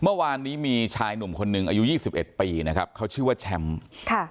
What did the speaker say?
เมื่อวานนี้มีชายหนุ่มคนหนึ่งอายุยี่สิบเอ็ดปีนะครับเขาชื่อว่าแชมป์ค่ะ